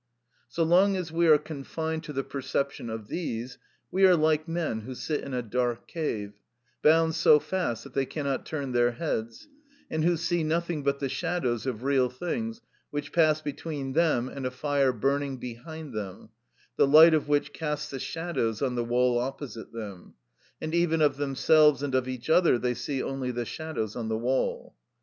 So long as we are confined to the perception of these, we are like men who sit in a dark cave, bound so fast that they cannot turn their heads, and who see nothing but the shadows of real things which pass between them and a fire burning behind them, the light of which casts the shadows on the wall opposite them; and even of themselves and of each other they see only the shadows on the wall.